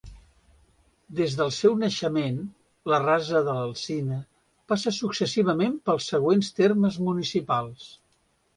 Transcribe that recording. Des del seu naixement, la Rasa de l'Alzina passa successivament pels següents termes municipals.